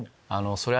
それは。